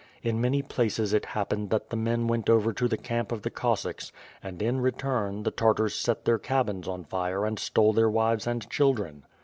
In many places it happened that the men went over to the camp of the Cos sacks, and, in return, the Tartars set their cabins on fire and stole their wives and children.